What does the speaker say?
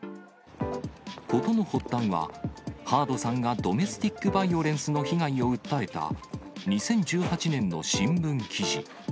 事の発端は、ハードさんがドメスティックバイオレンスの被害を訴えた２０１８年の新聞記事。